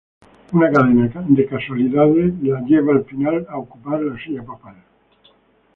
Una cadena de casualidades la lleva al final a ocupar la silla papal.